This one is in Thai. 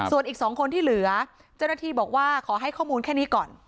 ส่วนอีก๒คนที่เหลือเจ้าหน้าที่บอกว่าขอให้ข้อมูลแค่นี้ก่อน